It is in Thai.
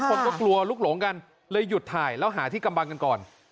คนก็กลัวลูกหลงกันเลยหยุดถ่ายแล้วหาที่กำบังกันก่อน